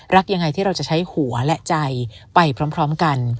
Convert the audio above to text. รักยังไงที่เราจะใช้หัวและใจไปพร้อมกัน